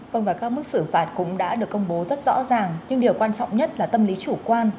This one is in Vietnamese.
vâng và các mức xử phạt cũng đã được công bố rất rõ ràng nhưng điều quan trọng nhất là tâm lý chủ quan